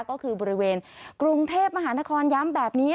ก็คือบริเวณกรุงเทพมหานครย้ำแบบนี้